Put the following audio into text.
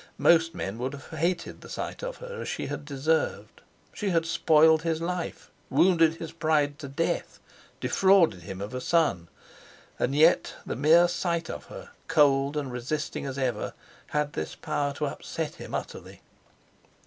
Most men would have hated the sight of her, as she had deserved. She had spoiled his life, wounded his pride to death, defrauded him of a son. And yet the mere sight of her, cold and resisting as ever, had this power to upset him utterly!